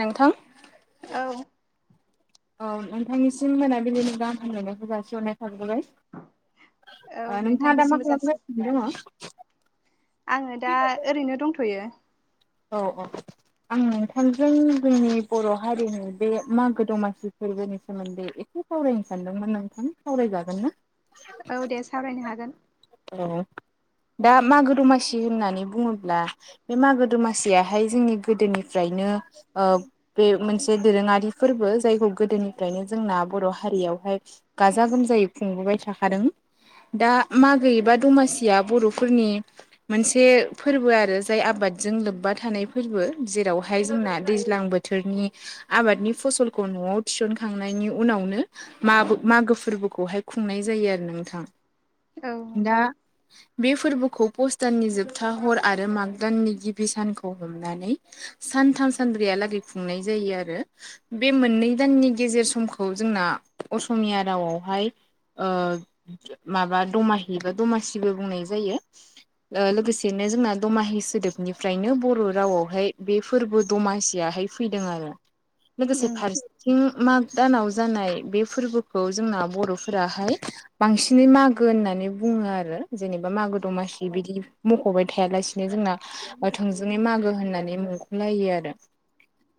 नोंथां औ औ नोंथांनिसिम मोनाबिलिनि गाहाम हामलायनायखौ जासिहरनाय थाग्रोबाय। औ नोंथाङा दा मा नोंथांनिसिमबो जासि खालाम्लासिनो दङो? आङो दा ओरैनो दंथ'यो। औ औ आं नोंथांजों जोंनि बर' हारिनि बे मागो दमासि फोरबोनि सोमोन्दै एसे सावरायायनो सानदोंमोन नोंथां सावरायजागोन ना? औ दे साबायनो हागोन। औ दा मागो दमासि होननानै बुङोब्ला बे मागो दमासि सियाहाय जोंनि गोदोनिफ्रायनो बे मोनसे दोरोङारि फोरबो जायखौ गोदो गोदोनिफ्रायनो जोंना बर' हारियावहाय गाजा गोमजायै खुंबोबाय थाखादों। दा मागो एबा दमासिया बर'फोरनि मोनसे फोरबो आरो जाय आबाद जोंलोब बा थानाय फोरबो जेरावहाय जोंना दैज्लां बोथोरनि आबादनि फसलखौ न'आव थिन खांनायनि उनावनो म मागो फोरबोखौहाय खुंनाय जायो आरो नोंथां। औ दा उम बे फोरबोखौ पस दाननि जोबथा हर आरो माग दाननि गिबि सानखौ खौ हमनानै सानथ सानब्रैै खुंनाय जायो आरो बे मोननै दाननि ग गेजेर समखौ जोंना असमिया रावआवहाय माबा दमाहि बा दमासिबो बुंनाय जायो। लोगोसेनो जोंना दमाहि सोदोबनिफ्रायनो बर' रावआवहाय बे फोरबो दमासियाहाय फैदों आरो लोगोसे फारसेथिं माग दानाव जानाय बे फोरबोखौ जोंना बर'फोराहाय बांसिनै मागो होननानै बुङो आरो जेनेबा मागो दमासि बिदि मख'बाय थायालानो जोंना थोंजोङै मागो होननानै मुंख'लायो आरो।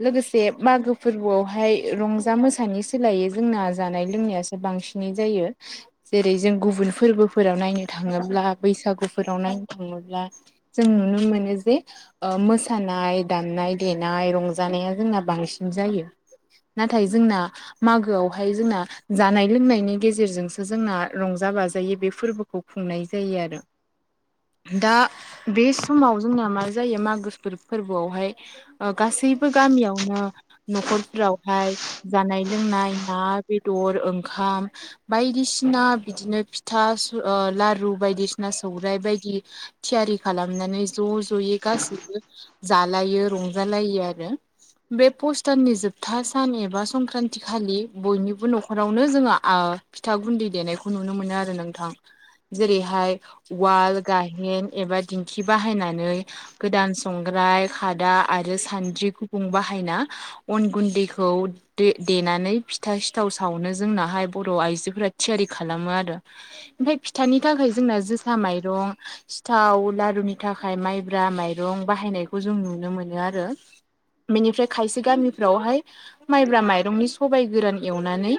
लोगोसे मागो फोरबोआवहाय रंजा मोसानि सोलायो जोंना जानाय लोंनायासो बां बांसिनै जायो जेरै जों गुबुन फोरबोफोराव नायनो थाङोब्ला बैसागुफोराव नाय थाङोब्ला जों नुनो मोनो जे मोसानाय दामनाय देनाय रंजानाया जोंना बांसिन जायो। नाथाय जोंना मागोआवहाय जोंना जानाय लोंनायनि गेजेरजोंसो जोंना रंजा बा जायो बे फोरबोखौ खुंनाय जायो आरो। दा बे समाव जोंनिया मा जायो मागो फोरबोआवहाय गासैबो गामियावनो न'खरफ्रावहाय। जानाय लोंनाय ना बेदर ओंखाम बायदिसिना बिदिनो फिथा लारु बायदिसिना सौरायाइ बायदि थियारि खालामनानै ज' ज'यै गाससिबो जालायो रंजालायो आरो। बे पस्ताननि जोबथा सान एबा संक्रान्ति खालि बयनिबो न'खरावनो जोङा फिथा गुन्दै देनायखौ नुनो मोनो आरो नोंथां। जेरैहाय वाल गाहेन एबा दिंखि बाहायनानै। गोदान संग्राय खादा आरो सानद्रि गुं बाहायना अन गुन्दैखौ द देनानै फिथा सिथाव सावनो जोंनाहाय बर' आइजोफोरा थियारि खालामो आरो। ओमफफ्राय फिथानि थाखाय जोंना जोसा माइरं सिथाव लारुनि थाखाय माइब्रा माइं रं बाहायनायखौ जों नुनो मोनो आरो। बेनिफ्राय खायसे गामिफ्रावहाय माइब्रा माइरंनि सबाय गोरान एवनानै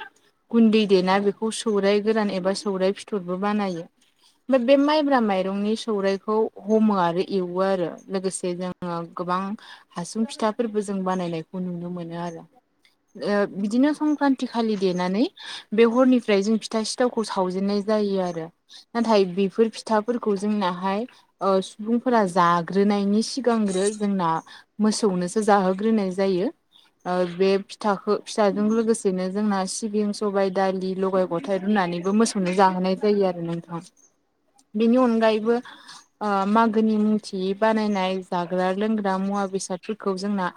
गुन्दै देना बेखौ सौराय गोरान एबा सौराय फिथरबो बानायो। ओमफ्राय बे माइब्रा माइरंनि सौराइखौ हमो आरो एवो आरो। लोगोसे जोङो गोबां हासुं फिथाफोरबो जों बानायनायखौ नुनो मोनो आरो। बिदिनो संक्रान्ति खालि देनानै बे हरनिफ्राय जों फिथा सिथावखौ सावजेननाय जायो आरो नाथाय बेफोर फिथाफोरखौ जोंनाहाय सुबुंफोरा जा ग्रोनायनि सिगांग्रो जोंना मोसौनोसो जाहोग्रोनाय जायो। बे फिथाखौ फिथाजों लोगोसेनो जोंना सिबिन सबाय दालि लगाय गथाय रुनाय नानैबो मोसौनो जाहोनाय जायो आरो नोंथां। बेनि अनगायैबो ओ मागोनि मुंथि यै बानायनाय जाग्रा लोंग्रा मुवा बेसादफोरखौ जोंना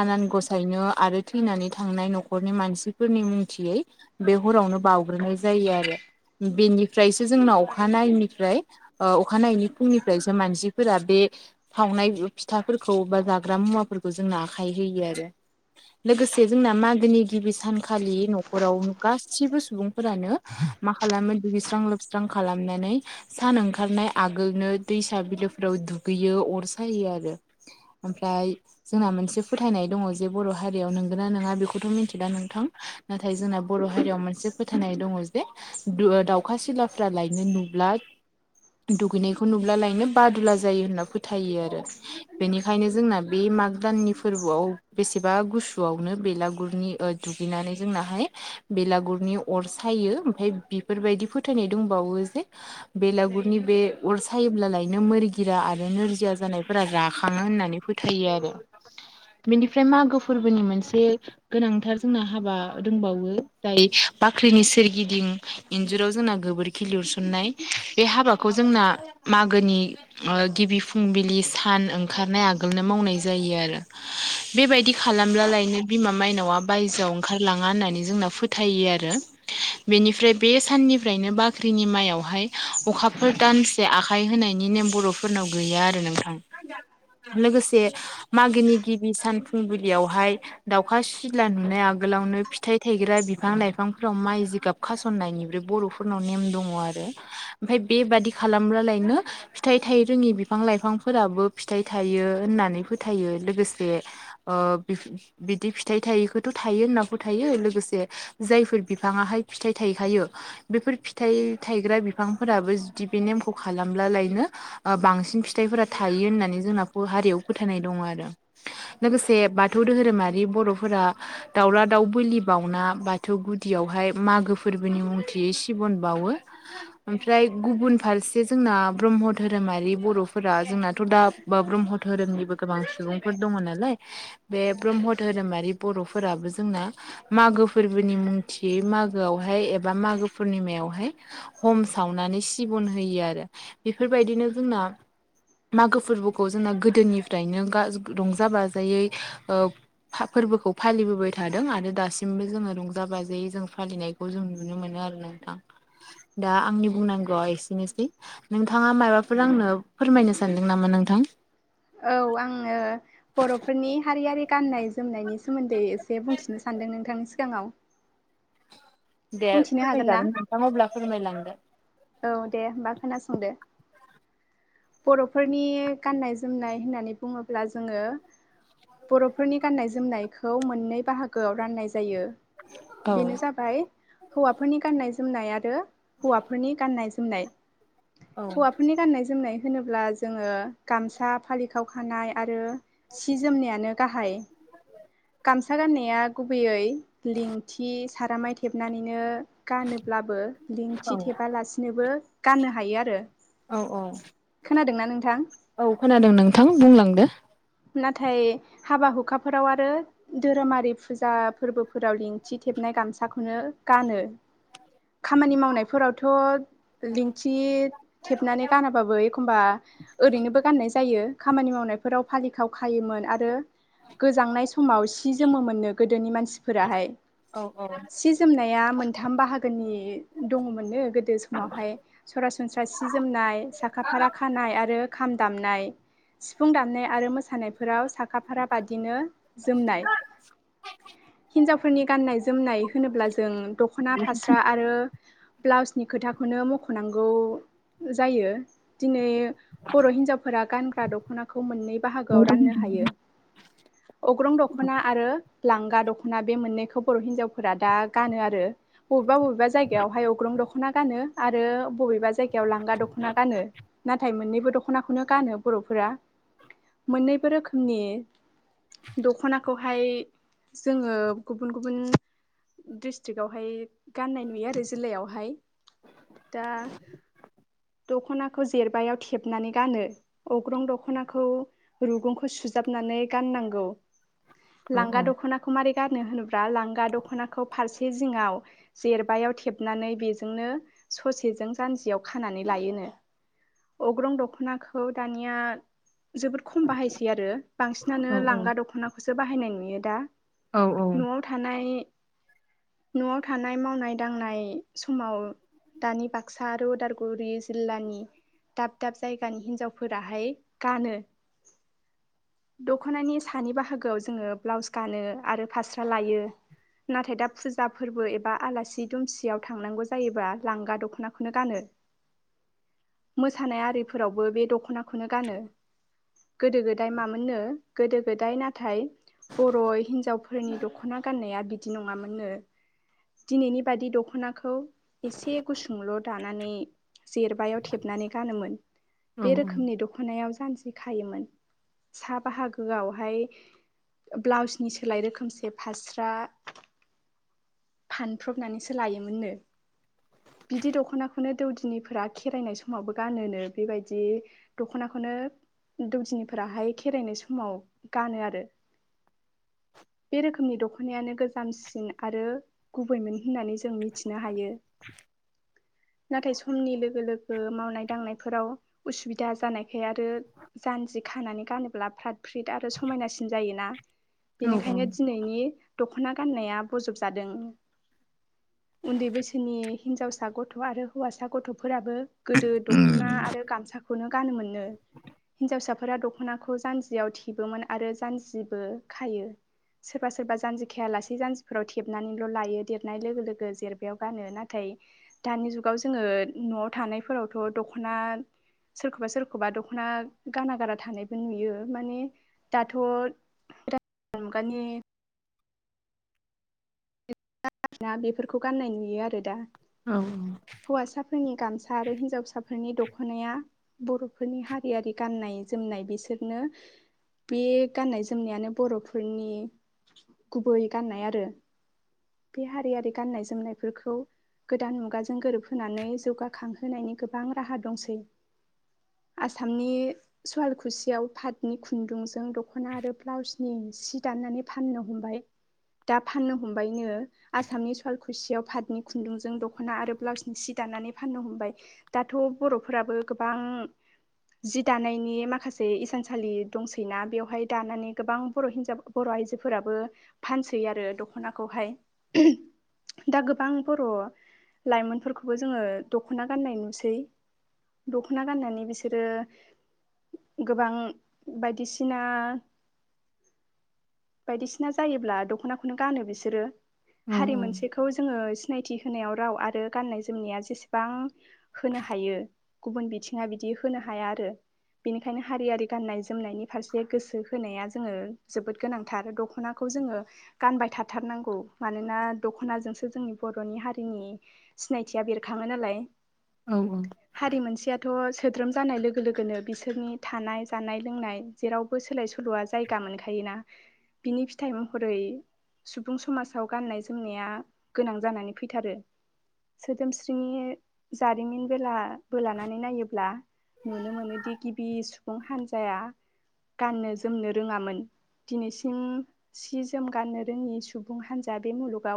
आनान गसायनो आरो थैनानै थांनाय न'खरनि मानसिफोरनि मुंथियै बे हरावनो बावउग्रोनाय जायो आरो। बेनिफ्रायसो जोंनाव अखानायैनिफ्राय ओ अखानायैनि फुंनिफ्रायसो मानसिफोरा बे सावनाय फिथाफोरखौ बा जाग्रा मुवाफोरखौ जोंना आखाइ होयो आरो। लोगोसे जोंना मागोनि गिबि सानखालि न'खराव गासिबो सुबुंफोरानो मा खालामो दुगैस्रां लोबस्रां खालामनानै सान ओंखारनाय नाय आगोलनो दैसा बिलोफोराव दुगैयो अर सायो आरो। ओमफ्राय जोंना मोनसे फोथायनाय दङ जे बर' हारियाव नंगौना नङा बेखौथ' मोनथिया नोंथां? नाथाय जोंना बर' हारियाव मोनसे फोथायनाय दङ जे दु ओ दाउखा सिलाफ्रालायनो नुयो ब्ला दुगैनायखौ नुब्लालायनो बादुला जा यो होनना फोथायो आरो। बेनिखायनो जोंना बे मागो दाननि फोरबोआव बेसेबा गु सुआवनो बेलागुरनि ओ दुगैनानै जोंनाहाय बेलागुरनि अर सायो। ओमफ्राय बेफोरबायदि फोथायनाय दंबावो जे बेलागुरुनि बे अर सायोब्ला लायनो मोरगि जिरा आरो नोरजिया जानायफोरा राखाङो होननानै फोथायो आरो। बेनिफ्राय मागो फोरबोनि मोनसे गोनांथार जोंना हाबा दंबावो जाय बाख्रिनि सोरगिदिं इन्जुराव जोंना गोबोरखि लिरसुन्नाय। बे हाबाखौ जोंना मागोनि ओ गिबि फुंबिलि सान ओंखारनाय आगोलनो मावनाय जायो आरो। बेबायदि खा लामब्ला लायनो बिमा माइनावआ बायजोआव ओंखारलाङा होननानै जोंना फोथायो आरो बेनि फ्राय बे साननिफ्रायनो बाख्रिनि माइयावहाय अखाफोर दानसे आखाइ होनायनि नेम बर'फोरनाव गैया आरो नोंथां। लोगोसे मागोनि गिबि सान फुंबिलियावहाय दाउखा सिला नुनाय आ गोलावनो फिथाइ थायग्रा बिफां लाइफांफोराव माइ जिगाब खासननायनिबो बर'फोरनाव नेम दङ आ रो ओमफ्राय बेबादि खालामब्ला लायनो फिथाइ थाय रोङि बिफां लाइफांफोराबो फिथाइ थायो होननानै फोथायो। लोगोसे ओ बिदि फिथाइ थायिखौथ' थायो होननाबो फोथायो लोगोसे जायफोर बिफाङाहाय फिथाइ थायखायो बेफोर फिथाइ थायग्रा बिफांफोराबो जुदि बे नेमखौ खालामब्ला लायनो ओ बांसिन फिथाइफोरा थायो होननानै जोंना ब हारियाव फोथायनाय दङ आरो। लोगोसे बाथौ दोहोरोमारि बर'फोरा दाउला दाउ बोलि बाउना बाथौ गुदि यावहाय मागो फोरबोनि मुंथि सिबन बावो। ओमफ्राय गुबुन फारसे जोंना आ ब्रह्म धोरोमारि बर'फोरा जोंनाथ' दा बा ब्रह्म धोरोमनिबो गोबां सुबुंफोर दङ नालाय बे ब्रह्म धोरोमारि बर'फोराबो जोंना मागो फोरबोनि मुंथियै मागोआव आवहाय एबा मागो पुर्णिमायावहाय हम सावनानै सिबन होयो आरो। बे फोरबायदिनो जोंना मागो फोरबोखौ जोंना गोदोनिफ्रायनो गास रंजा बाजायै ओ फा फोरबोखौ फालिबोबाय थादों आरो दासिमबो जोङो रंजा बाजायै जों फालिनायखौ जों नुनो मोनो आरोना नोंथां, दा आंनि बुंनांगौआ एसेनोसै। नों थाङा माबाफोर आंनो फोरमायनो सानदों नामा नोंथां? औ आङो बर'फोरनि हारियारि गाननाय जोमनायनि सोमोन्दोयै एसे बुंथिनो सान्दों नोंथांनि सिगाङाव। दे बुंथिनो हागोन ना फोरमायजागोन नोंथां अब्ला फोरमायलांदो। औ दे होमबा खोनासंदो। बर'फोरनि गाननाय जोमनाय होननानै बुङोब्ला जोङो बर'फोरनि गाननाय जोमनायखौ मोननै बाहागोआव राननाय जायो। औ बेनो जाबाय हौवाफोरनि गाननाय जोमनाय आरो हौवाफोर गाननाय जोमनाय। औ हौवाफोरनि गाननाय जोमनाय होनोब्ला जोङो गामसा फालिखाव खानाय आरो सि जोमनायानो गाहाय। गामसा गाननाया गुबैयै लिंथि सारामाय थेबनानैनो गानोब्लाबो लिंथि थेबालासिनोबो गाननो हायो आरो। औ औ खोनादों ना नोंथां औ खोनादों नोंथां बुंलांदो नाथाय हाबा हुखाफोराव आरो धोरोमारि फुजा फोरबोफोराव लिंथिथेब नाय गामसाखौनो गानो खामानि मावनायफोरावथ' लिंथि थेबनानै गानाबाबो एखनबा ओरैनोबो गाननाय जायो खामानि मावनायफोराव फालि खाव खायोमोन आरो गोजांनाय समाव सि जोमोमोननो गोदोनि मान सिफोराहाय। औ औ सि जोमनाया मोनथाम बाहागोनि दङमोननो गोदो समावहाय सरासन स्रा सि जोमनाय साखा फारा खानाय आरो खाम दामनाय सिफुं दामनाय आरो मोसानायफोराव साखाफारा बादिनो जोमनाय हिनजाव फोरनि गाननाय जोमनाय होनोब्ला जों दख'ना फास्रा आरो ब्लाउसनि खोथाखौनो मख'नांगौ जायो दिनै बर' हिनजावफोरा गानग्रा दख'नाखौ मोन बाहागोआव राननो हायो अग्रं दख'ना आरो लांगा दख'ना बे मोननैखौ बर' हिनजावफोरा दा गानो आरो बबेबा बबेबा जायगायावहाय अग्रं दख'ना गानो आरो बबेबा जायगायाव लांगा दखना गानो नाथाय मोनै बो दख'नाखौनो गानो बर'फोरा मोननैबो रोखोमनि दखनाखौहाय जोंङो गुबुन गुबुन डिस्ट्रिक्आवहाय गाननाय नुयो आरो जिल्लायावहाय दा दख'नाखौ जेरबायायाव थेबनानै गानो अग्रं दख'नाखौ रुगुंखौ सुजाबनानै गाननांगौ लांगा दख'नाखौ मारै गानो होनोब्ला लांगा दख'नाखौ फारसे जिङाव जेरबायायाव थेबनानै बेजोंनो ससेजों जानजियाव खानानै लाबोनो अख्रं दानांगौ दानिया जोब खम बाहायसै आरो बांसिनानो लांगा दख'नाखौसो बाहायनाय नुयो दा औ न'आव थानाय [inaudible] न'आव थानाय मावनाय दांनाय समाव दानि बाक्सा आरो उदालगुरि जिल्लानि दाब दाब जायगानि हिनजावफोराहाय गानो [inaudible] दख'नानि सानि बाहागोआव जोंङो ब्लाउस गानो आरो फास्रा लायो। नाथाय दा फुजा फोरबो एबा आलासि दुमसियाव थांनांगौ जायोनब्लाा लांगा दख'नाखौनो गानो। [inaudible] मोसानाय आरिफोरावबो बे दख'नाखौनो गानो। गोदो गोदाय मामोननो गोदो गोदाय नाथाय बर' हिनजावफोरनि दख'ना गान्नाया बि दि नङामोननो दिनैनि बाददि दख'नाखौ एसे गुसुंल' दानानै जेरबायायाव थेबनानै गानोमोन औ बे रोखोमनि दख'नायाव जानजि खायोमोन। सा बाहागोआवहाय ब्लाउसनि सोलाय रोखोमसे फास्रा फानफ्रबनानैसो लायोमोननो बिदि दख'नाखौनो दौदिनिफोरा खेरायनाय समावबो गानोनो बेबायदि दख'नाखौनो दौदिनिफोराहाय खेराइनाय समाव गानो आरो। बे रोखोमनि दख'नायानो गोजामसिन आरो गुबैमोन। होननानै जों मिथिनो हायो नाथाय समनि लोगो लोगो मावनाय दांनायफोराव उसुबिदा जानायखाय आरो जान जि खानानै गानोब्ला फ्रात फ्रिद आरो समायनासिन जायोना औ बेनिखायनो दिनैनि द'ख'ना गाननाया ब'ज'ब जादों उन्दै बैसोनि हिनजावसा गथ' आरो हौवासा गथ'फोराबो गोदो दख'ना आरो गामसाखौनो गानोमोन नो हिनजावसाफोरा दख'नाखौ जानजियाव थेबोमोन आरो जानजिबो खायो। सोरबा सोरबा जानजि खायालासे जानजिफोराव थेबनानैल' लायो देरनाय लोगो लोगो जेरबायाव गानो ना थाय दानि जुगाव जोङो न'आव थानायफोरावथ' द'खना सोरखौबा सोरखौबा द'खना गाना गारा थानायबो नुयो माने दाथ' [inaudible] [unintelligible] [unintelligible] बेफोरखौ गाननाय नुयो आरो दा औ नि गामसा आरो हिनजावसाफोरनि दख'नाया बर'फोरनि हारियारि गाननाय जोमनाय बिसो बिदनो बे गाननाय जोमनायानो बर'फोरनि गुबै गाननाय आरो बे हारियारि गाननाय जोमनायफोरखौ गोदान मुगाजों गोरोबहोनानै जौगाखांहोनायनि गोबां राहा दंसै आसामनि सुवालकुसियाव पातनि खुन्दुंजों द'ख'ना आरो ब्लाउसनि सि दाननानै फाननो हमबाय दा फाननो हमबायनो आसामनि सवलकुसियाव पादनि खुन्दुंजों दख'ना आरो ब्लाउसनि सि दानानै फाननो हमबाय दा थ' बर'फोराबो गोबां जि दानायनि माखासे इसानसालि दंसैनाा बेवहाय दानानै गोबां बर' हिनजाव बर' आयजोफोराबो फानसै आरो दखनाखौहाय दा गोबां बर' लाइमोनफोरखौबो जोङो दख'ना गाननाय नुसै दख'ना गाननानै बिसोरो गोबां बायदिसिना बायदिसिना जायोब्ला दख'नाखौनो गानो बिसोरो। औ हारि मोनसेखौ जोङोस नायथि होनायाव राव आरो गाननाय जोमनाया जेसेबां होनो हायो गुबुन बिथिङा बिदि होनो हाया आरो बेनिखायनो हारियारि गनाय जनायनि फारसे गोसो होनाया जोङो जोबोद गोनांथार दख'नाखौ जोङो गानबाय थाथारनांगौ मानोना दख'नाजोंसो जोंनि बर'नि हारिनि सिनायथिया बेरखाङो नालाय औ औ हारि मोनसेयाथ' सोद्रोम जानाय लोगो लोगोनो बिसोरनि थानाय जानाय लोंनाय जेरावबो सोलाय सोल'आ जायगा मोनखायो ना बिनि फिथाइ महरै सुबुं समाज आव गाननाय जोमनाया गोनां जानानै फैथारो सोदोमस्रिनि जारिमिन बेला बो लानानै नायोब्ला नुनो मोनोदि गिबि सुबुं हान्जाया गाननो जोमनो रोङामोन दिनैसिम सि जोम गाननो रोङि सुबुं हान्जा बे मुलुगाव